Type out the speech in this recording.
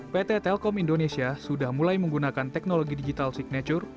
pt telkom indonesia sudah mulai menggunakan teknologi digital signature